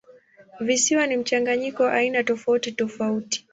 Visiwa ni mchanganyiko wa aina tofautitofauti.